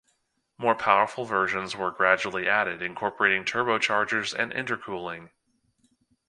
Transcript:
More powerful versions were gradually added, incorporating turbochargers and intercooling.